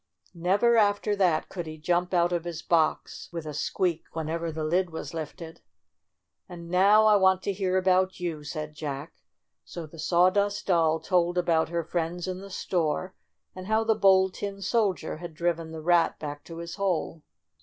Never after that could he jump out of his box with a squeak whenever the lid was lifted. "And now I want to hear about you," said J ack. So the Sawdust Doll told about her friends in the store, and how the Bold Tin Soldier had driven the rat back to his hole.